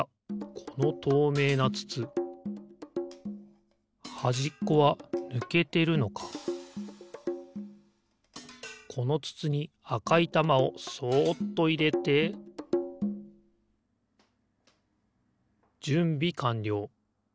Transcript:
このとうめいなつつはじっこはぬけてるのかこのつつにあかいたまをそっといれてじゅんびかんりょう。